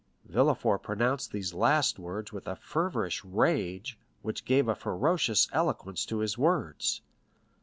Villefort pronounced these last words with a feverish rage, which gave a ferocious eloquence to his words.